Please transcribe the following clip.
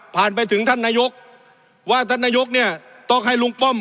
ไปถึงท่านนายกว่าท่านนายกเนี่ยต้องให้ลุงป้อม